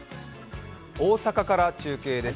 大阪から中継です。